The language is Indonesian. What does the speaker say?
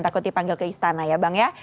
takut dipanggil ke istana ya bang ya